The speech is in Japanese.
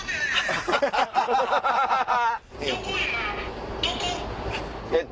ハハハハハ！